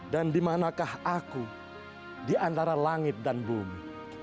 dan dimanakah aku di antara langit dan bumi